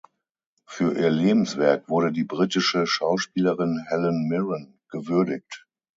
Für ihr Lebenswerk wurde die britische Schauspielerin Helen Mirren gewürdigt.